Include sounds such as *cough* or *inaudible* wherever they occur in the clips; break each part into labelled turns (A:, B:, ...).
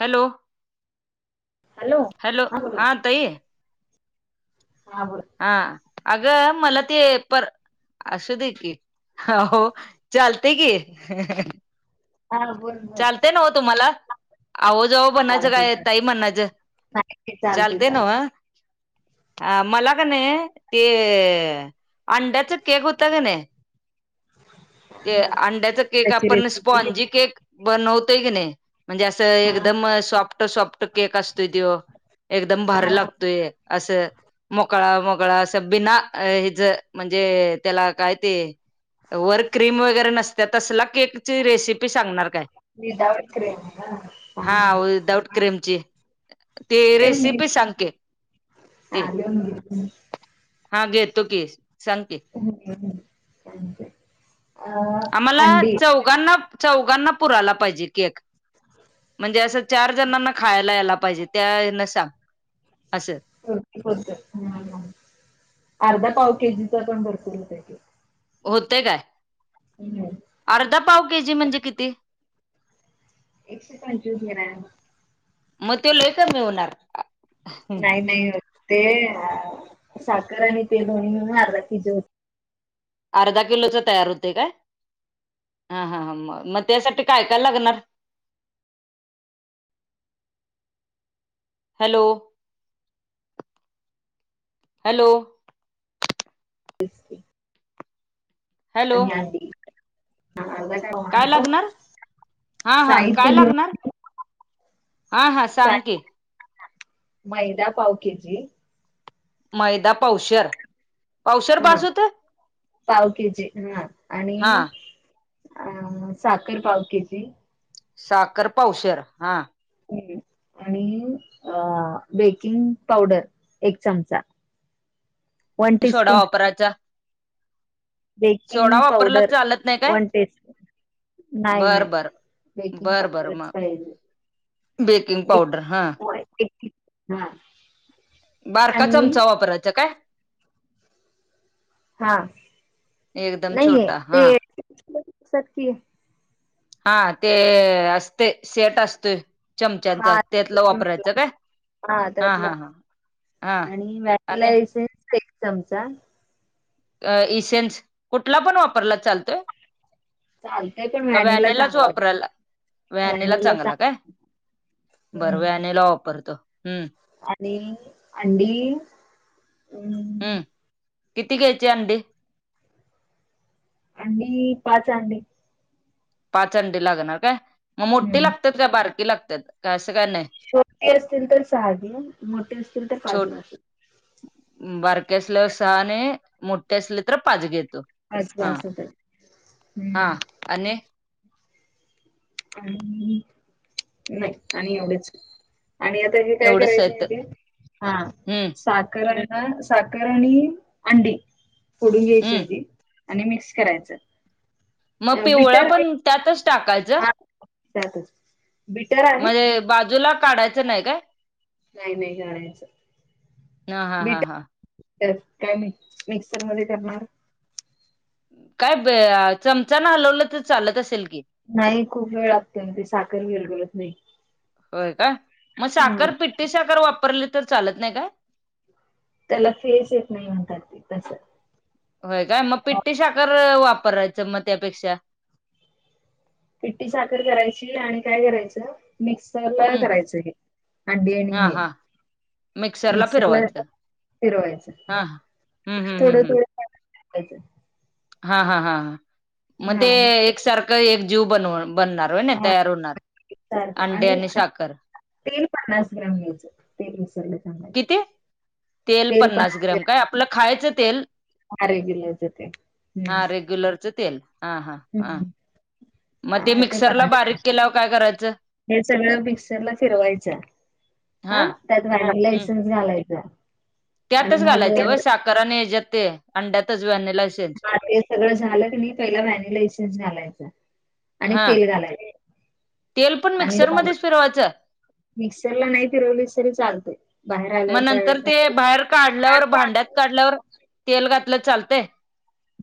A: Hello hello हा ताई.
B: हा बोल.
A: हा. अगं मला ते पर असू दे की, अहो चालतंय की.
B: हा बोल.
A: चालतय ना ओ तुम्हाला आव जाव *unintelligible* काय ताई म्हणायच चालतंय न्हव? अ मला का नाही ते अंड्याच केक होत कनई *inaudible* ते अंड्याचा केक आपण स्पॉजी केक बनवतोय की नाही म्हणजे असं एकदम सॉफ्ट सॉफ्ट केक असतोय त्यो, एकदम भारी लागतोय. असं मोकळा मोकळा असं बीना हेज म्हणजे त्याला काय ते वर क्रीम वगैरे नसत्या तसला केकची रेसिपी सांगणार काय?
B: विदाऊट क्रीम हा.
A: हा विदाउट क्रीमची ती रेसिपी सांग की. ते
B: *unintelligible*
A: हा घेतो की सांग की.
B: हम्म हम्म चालतंय.
A: आम्हाला
B: अंडी
A: चौघांना चौघांना पुराला पाहिजे केक. म्हणजे असं चार जणांना खायला यायला पाहिजे. त्या हेन सांग असं.
B: अर्धा पाव केजीचा पण भरपूर होतंय केक.
A: होतंय काय?
B: हम्म.
A: अर्धा पाव केजी म्हणजे किती?
B: एकशे पंचवीस ग्रम.
A: मग ते लई कमी होणार.
B: नाही नाही ते साखर आणि ते दोन्ही मिळून अर्धा *unintelligible*
A: अर्धा किलोच तयार होतंय काय? हा हा हा मग मग, त्यासाठी काय काय लागणार? Hello hello. हॅलो
B: *unintelligible*
A: काय लागणार? हा हा. काय लागणार? हा हा सांग की.
B: मैदा पाव केजी.
A: मैदा पावशर. पावशर
B: हा
A: बास होत
B: पाव केजी हा आणि
A: हा
B: अ साखर पाव केजी.
A: साखर पावशर हा.
B: हं आणि अ बेकिंग पावडर एक चमचा.
A: सोडा वापरायचा? सोडा वापरला तर चालत नाही काय? बर बर बर बर. मग बेकिंग पावडर हा.
B: हा.
A: बारका चमचा वापरायचा काय?
B: हा
A: एकदम
B: नाही
A: छोटा
B: ते
A: हा
B: *unintelligible* असतात की.
A: हा ते असतय सेट असतोय. चमच्यांचा त्यातला वापरायच काय? हा हा हा. हा
B: आणि
A: आणि
B: एक *unintelligible* चमचा
A: अ इसेन्स कुठला पण वापरला चालतोय? का व्हॅनेलाच वापरायला? व्हॅनिला चांगला काय? बरं व्हॅनिला वापरतो. हम्म
B: आणि अंडी अं
A: हम्म किती घ्यायचे अंडी
B: अंडी पाच अंडी
A: पाच अंडी लागणार काय? मग मोठी लागतात का बारकी लागतात का असं काय नाही??
B: छोटे असतील तर सहा मोठे असतील तर पाच
A: छोट
B: घालतेत.
A: बारके असल्यावर सहा आणि मोठे असले तर पाच घेतो. हा हा आणि
B: आणि नाही आणि एवढेच. आणि आता हे काय
A: एवढंच
B: करायचे आहे
A: येत
B: ते? हा
A: हम्म
B: साखर आणि हा साखर आणि अंडी फोडून घ्यायची
A: हम्म
B: आधी आणि मिक्स करायचं.
A: मग पिवळा पण त्यातच टाकायच
B: त्याातच?
A: म्हणजे बाजूला काढायचं नाही काय?
B: नाही नाही राहायचं
A: हा हा हा
B: बीट
A: हा
B: त्यात काय आणि मिक्सरमध्ये करणार?
A: काय चमचा न हलवलं तर चालत असेल की,
B: नाही खूप वेळ लागते मग ते साखर विरघळत नाही.
A: होय काय? मग साखर पिठ्टी साखर वापरली तर चालत नाही काय?
B: त्याला फेस येत नाही म्हणतात ते तसं.
A: होय काय? मग पिट्टी साखर वापरायचं मग त्यापेक्षा.
B: पिट्टी साखर करायची आणि काय करायचं? मिक्सर ला
A: हम्म
B: करायचं, हे अंडी आणि
A: हा
B: हे.
A: हा
B: मिक्सरला फिरवायचं
A: हा हम्म हम्म हम्म
B: थोडं
A: हम्म
B: थोडं *unintelligible* तेच
A: हा हा हा हा. मग ते एकसारखं एक जीव बनव बनणार होय ना तयार होणार. अंडे आणि साखर
B: तेल पन्नास ग्रॅम घ्यायचं. ते विसरले सांगायच.
A: किती तेल पन्नास ग्राम काय आपलं खायचं तेल. हा रेग्युलरचं तेल, हा हा हा. मग ते मिक्सरला बारीक केल्यावर काय कराय
B: हे सगळं मिक्सर ला फिरवायचं. ह
A: हा
B: त्यात *unintelligible*
A: हम्म
B: लायसन्स घालायचं
A: त्यातच घालायचं व साखरआणि हच्यात ते अंड्यातच वनेला
B: ते सगळं झालं कणी पहिला व्हॅनिलाशन घालायच आणि
A: हा
B: तेल घालायच.
A: तेल पण मिक्सरमध्येच फिरवायचं.
B: मिक्सर ला नाही फिरवली तरी चालतय.
A: मग नंतर ते बाहेर काढल्यावर भांड्यात
B: कुकर
A: काढल्यावर तेल घातलं चालतय.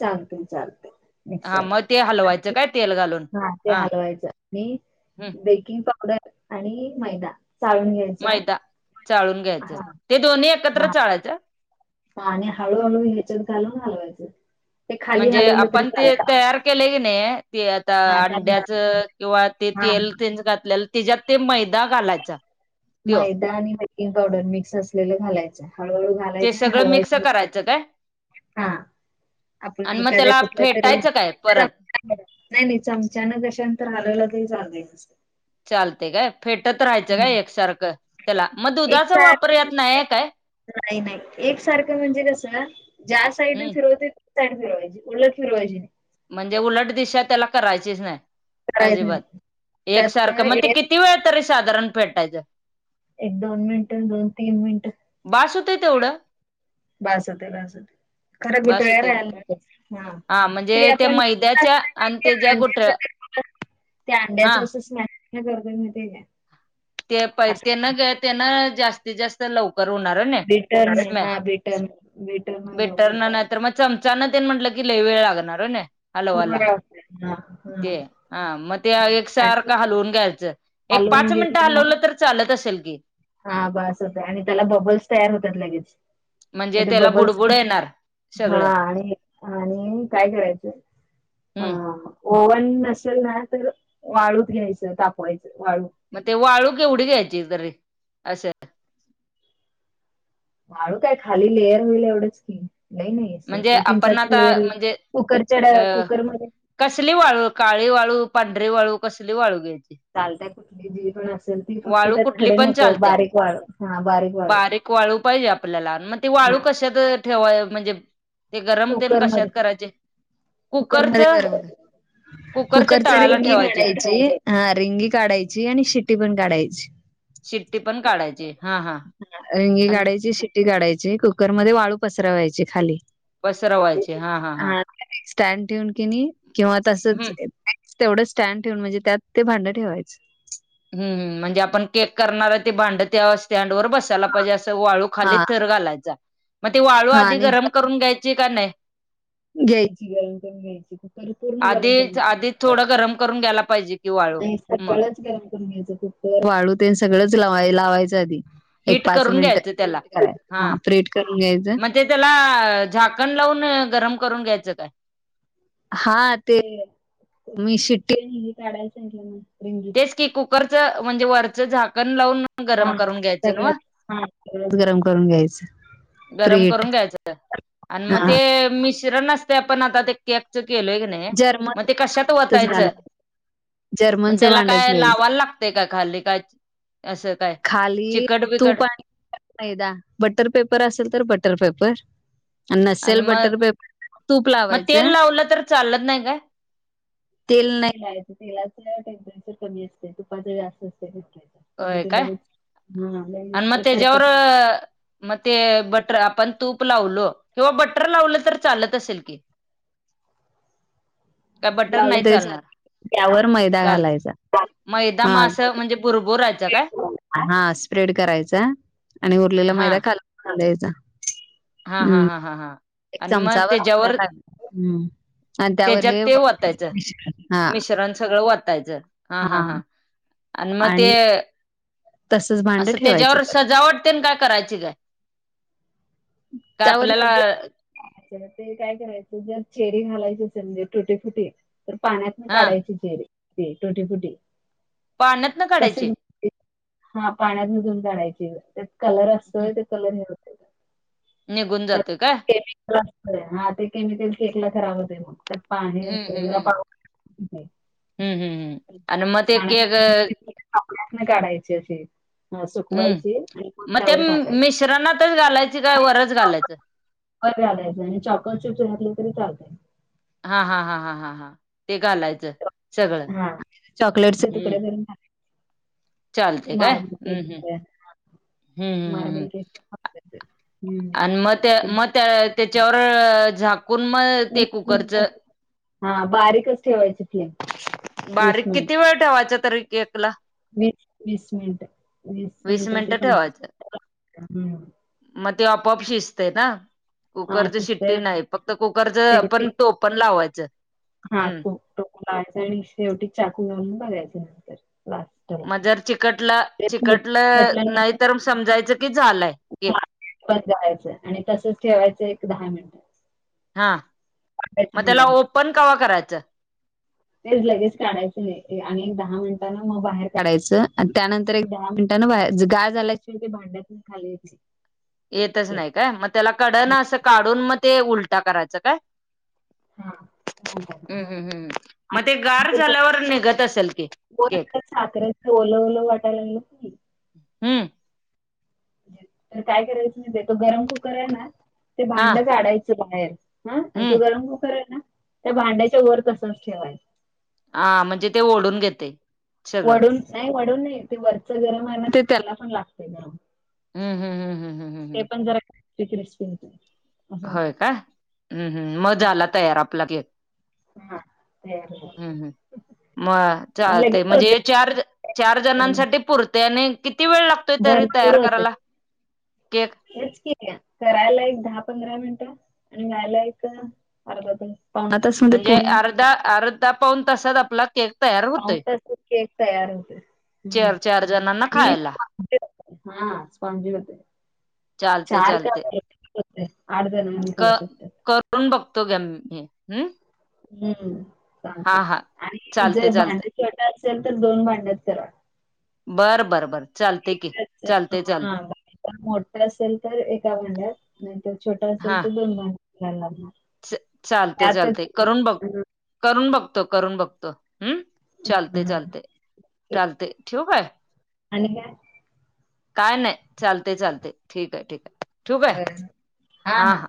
B: चालते चालते. मिक्सर
A: मग ते हलवायचं काय तेल घालून
B: हा ते हलवायचं. आणि
A: हम्म
B: बेकिंग पावडर आणि मैदा चाळून घ्याय
A: मैदा चाळून घ्यायचं ते दोन्ही एकत्र चाळायचं हा.
B: आणि हळूहळू हेच्यात घालून हालवायचं.
A: म्हणजे आपण ते तयार, केले की नाही ते आता अंड्याच किंवा ते तेल तेनचा घातलेल्या तेच्यात ते मैदा घालायच.
B: मैदा आणि बेकिंग पावडर मिक्स असलेलं, घालायच हळूहळू घा
A: ते सगळं मिक्स करायचं काय. आणि म त्याला फेटायचं काय परत?
B: नाही नाही चमच्यान कशानतर हालवलं तर चालतंय तसं.
A: चालते काय फेटत राहायचं काय एकसारखं, त्याला मग दुधाचा वापर यात नाहीये काय.
B: नाही नाही एक सारखं म्हणजे कसं ज्या साईडून
A: हम्म
B: फिरवते *unintelligible* उलटं फिरवायची नाही.
A: म्हणजे उलट दिशा त्याला करायचीच नाही. अजिबात एकसारखं मग ते किती. किती वेळ तरी साधारण फेटायचं?
B: एक दोन मिनिट, दोन तीन मिनिटं.
A: बास होतंय तेवढं.
B: बासते बासते खरं
A: बास
B: गुटळ्या
A: होतय ना
B: राहयला नकोच हा.
A: म्हणजे
B: ते
A: त्या मैद्याच्या आणि
B: *unintelligible*
A: ते ज्या गोठळ्या
B: ते
A: हा
B: अंड्याच *unintelligible* ह्या गर्दे ने तेग आहे.
A: ते प तेन गं तेन जास्तीत जास्त लवकर होणार. ना
B: बिटर्न
A: स्मॅश
B: हा बिटन बीटन लवकरं करायच.
A: चमचान ते म्हंटलं कि लई वेळ लागणार आहे ना. हलवाला ते हा मग ते एकसारखं हालवून घ्यायचं. एक पाच मिनिटं हलवलं तर, चालत असेल की.
B: हा बस होते आणि त्याला बबल्स तयार होतात लगेच.
A: म्हणजे त्याला बुडबुड येणार.
B: हा
A: सगळं
B: आणि आणि काय करायचं
A: हम्म
B: हा. ओव्हन नसेल ना, तर वाळूत घ्यायचं तापवायचं वाळू.
A: मग ते वाळू केवढी घ्यायची तरी असं.
B: वाळू काय खाली लेअर होईल एवढंच की. नाही नाही असं
A: म्हणजे
B: एक
A: आपण
B: इंचाच
A: आता
B: हेर
A: म्हणजे
B: कुकरच्याड
A: अ
B: कुकरमध्ये
A: कसली वाळू, काळी वाळू, पांढरी वाळू कसली वाळू घ्यायची.
B: चालत कुठली जी पण असेल ती, फक्त
A: वाळू
B: त्यात
A: कुठली
B: खडे
A: पण
B: नको
A: चालत्या
B: बारीक वाळू हा बारीक वाळू.
A: वाळू पाहिजे आपल्याला मग ते वाळू कशात ठेवाय म्हणजे ते गरम तेन
B: कुकर
A: कशात
B: मध्ये,
A: करायचे
B: कुकरमध्ये
A: कुकरच्या
B: गरम. कुकरच्या
A: तळाला
B: रिंगी
A: ठेवायचे
B: काढायची हा रिंगी काढायची आणि शेट्टी पण काढायची.
A: शिट्टी पण काढायची. हा हा
B: रिंगी
A: आणि
B: काढायची, शिटी काढायची कुकर मध्ये वाळू पसरवायची खाली
A: पसरवायचे हा हा हां.
B: स्टँड ठेऊन कणी, किंवा तसच.
A: हम्म
B: तेवढं स्टँड ठेवून म्हणजे, त्यात ते भांडं ठेवायचं.
A: हम्. म्हणजे आपण केक करणार ते, भांड त्या स्टँड वर बसायला पाहिजे असं वाळू.
B: हा
A: खाली थर घालायचा म ती वाळू
B: हा
A: आधी
B: आणि
A: गरम करून घ्यायची का नाही?
B: घ्यायची गरम करून घ्यायची, कुकर पूर्ण गरम
A: आधी
B: करून
A: आधी
B: घ्यायची.
A: थोडं गरम करून घ्यायला पाहिजे की वाळू
B: ते
A: म
B: सगळंच गरम करून घ्यायचं. कुकर वाळू ते सगळंच ला लावायचं आधी. एक
A: हिट
B: पाच
A: करून
B: मिनिट
A: घ्यायचं
B: प्रि
A: त्याला
B: हिट करायचा हा प्रि हिट करून घ्यायचं.
A: मग ते त्याला झाकण लावून, गरम करून घ्यायचं काय.
B: हा ते, मी शिट्टी काढायचं आणि रींगी.
A: तेच की कुकरच म्हणजे, वरचं झाकण लावून.
B: हा,
A: गरम करून घ्यायचं
B: सगळ
A: नव्ह
B: हा सगळंच गरम करून घ्यायचं.
A: गरम
B: प्रेट
A: करून घ्यायचं, आणि मग
B: हा
A: ते मिश्र किरण नसते आपण आता ते, केकच केलोय कणी
B: जर्मन
A: मग ते कशात
B: घालायचं
A: वतायचं. मग
B: जर्मनचं
A: त्याला
B: भांडच
A: काय
B: घ्यायचं
A: लावायला लागतंय, काय खाल्ली काय असं काय.
B: खाली
A: चिकट बिकट
B: तूप आणि मैदा, बटर पेपर असेल तर बटर पेपर. आणि नसेल बटर पेपर तर, तूप
A: मग
B: लावायचं.
A: तेल लावलं तर चालत नाही काय?
B: तेल नाही लावायचं, तेलाच टेम्परेचर कमी असते. तुपाच जास्त असते.
A: होय काय, आणि मग तेच्यावर. मग ते बटर आपण तूप लावलो किंवा, बटर लावलं तर चालत असेल की. *inaudible* तवा बटर
B: लावलं
A: नाही
B: तरी चालत
A: चालणार.
B: त्यावर मैदा
A: चाल
B: घालायचा
A: मैदा मग असं
B: हा
A: म्हणजे, उरत.
B: हा स्प्रेड करायचा, आणि उरलेला
A: हा
B: मैदा खाल हां दे जा.
A: हा हा हा हा हा.
B: एक
A: आणि मग
B: चमचाभर त्यात
A: त्याच्यावर
B: टाक हम्म. आणि त्यावर
A: त्याच्यात
B: हे,
A: ते वतायचं
B: हां.
A: मिश्रण सगळं वतायचं हा हा हां. आणि मग ते
B: तसच भांड
A: असं
B: ठेवायचं
A: तेच्यावर
B: त्यात.
A: सजावट. कोन काय करायची काय. काय
B: त्यावर
A: आपल्याला
B: लगेच. अ ते काय करायचं. जर चेरी घालायचं असेल म्हणजे टुटीफुटी. तर पाण्यातन
A: हा
B: काढायची, चेरी टूटीफुटी.
A: पाण्यातन काढायचे.
B: हा पाण्यात भुजून काढायची होय. कलर असतोय ते कलर हे,
A: निघून जातोय काय.
B: केमिकल असतंय हा ते, केमिकल शेकला खराब होतंय. मग त्यात पाणी
A: हम्म
B: असतय
A: हम्म
B: गं
A: हम्म हम्म हम्म हम्म आणि मग ते केक हम्म
B: *unintelligible* *unintelligible* *unintelligible* काढायची अशी,
A: हम्म. मग ते मिश्रणातच घालायचं, काय वरच घालायचं.
B: अरे घालायचं आणि, चोकोचिप्स घातले तरी चालतंय.
A: हा हा हा हा हा. ते घालायचं, सगळं
B: हा, चॉकलेटचं
A: हम्म
B: तुकडे करून टाकायचं.
A: चालते काय, हम्म हम्म. हम्म हम्म हम्मम्. आणि मत्या मत्या. तेच्यावर झाकून मग ते कुकरचं.
B: हा बारीकच ठेवायची फ्लेम. वीस
A: बारीक
B: मिनिटं
A: किती वेळ ठेवायचं तरी केकला
B: वीस, वीस मिनिटं. वीस मिनिटं ते पंचवीस मिनिटं हम.
A: मग ते आपोआप शिजते ना, कुकरच शिट्टी नाही फक्त कुकरच पण टोप. पण लावायचं.
B: हा
A: हम्म
B: खूप टोकदार लावायचं आणि शेवटी चाकू घालून बघायचे नंतर लास्ट.
A: मग जर चिकटला चिकटलं नाही तर, समजायचं की झालंय. केक
B: बंद करायचं आणि तसंच, ठेवायचं एक दहा मिनिटं.
A: हां. मग त्याला ओपन कवा करायचं.
B: तेच लगेच काढायचं नाही, आणि एक दहा मिनिटांना मग बाहेर काढायचं. आणि त्यानंतर एक दहा मिनिटं. ते न्हव गार झाल्याशिवाय भांड्यात खाली.
A: येतच नाही काय, मग त्याला कड न असं काढून. मग ते उलटा करायचा काय.
B: हां.
A: हम्म हम्म हम्म मते गार झाल्यावर निघत असेल की.
B: परत
A: केक
B: ते साखरेच ओल ओल वाटाय लागल
A: हम्म.
B: तर काय करायचं माहिती. तो गरम कुकर आहे ना, ते
A: हा
B: भांडच आडायचं बाहेर. हा आणि
A: हम्म
B: तो गरम कुकर आहे ना त्या भांड्याच्या वर तसच ठेवाय.
A: आ म्हणजे ते ओढून घेतय.
B: वडून नाही वडून नाही ते वरच गरम आहे ना ते त्याला पण लागत्यना.
A: हम्म हम्म हम्म हम्म हम्म.
B: ते
A: हम्म.
B: पण जरा किसमीस.
A: होय का हम्म हम्म म झाला तयार आपला केक.
B: हा हा.
A: हम्म हम्म मजी चालतय म्हणजे चार चार जणांसाठी पुरतया नई. किती वेळ लागतोय तरी तयार करायला? केक.
B: हेच की त्या करायला एक दहा-पंधरा मिनटं आणि न्यायला एक-अर्धा तास. मध्ये
A: म्हणजे
B: पूर्ण
A: अर्धा अर्धा पाऊन तासात आपला केक तयार
B: पाऊन
A: होतोय
B: तासात केक तयार होते
A: केल्याव चार चार जणांना.
B: मी
A: खायला
B: थांबते हा थांबली होती.
A: चालते चालते.
B: आठ जण खाऊ शकतात.
A: कोण बघतो तेन हम्म उम्म.
B: हम्म सांगते आणि जे
A: चालते चालते
B: भांडे छोटे असेल तर दोन भांड्यात करा.
A: बरं बरं बरं चालतय की चाल.
B: हा नाही तर मोठ असेल तर एका भांड्यात नाही तर छोटा असेल
A: हा
B: तर दोन भांड्यात. चाललब.
A: चालते चालते करूनब करून बघतो करून बघतो हम्म. चालतंय चालतंय, चालतंय ठेऊ काय? काय नाय चालत्य चालत्य ठीक आहे ठीक आहे. ठेवू काय
B: होय आ हा.